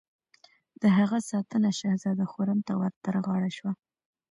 د هغه ساتنه شهزاده خرم ته ور تر غاړه شوه.